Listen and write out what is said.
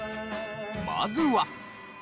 まずは。